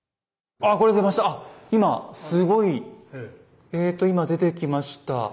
あっ今すごいえと今出てきました。